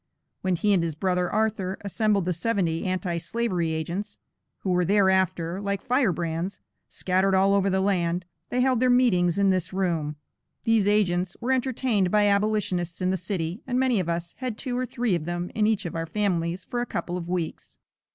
When he and his brother Arthur, assembled the seventy anti slavery agents, who were thereafter, like "firebrands," scattered all over the land, they held their meetings in this room. These agents were entertained by abolitionists in the city, and many of us had two or three of them in each of our families for a couple of weeks.